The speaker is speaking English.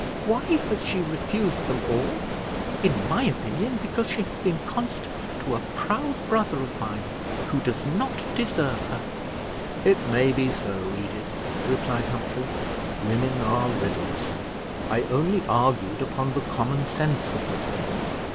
Why has she refused them all I In my opinion, because she has been constant to a proud brother of mine, who does not deserve her!" "It may be so, Edith," replied Humphrey. "Women are riddles I only argued upon the common sense of the thing."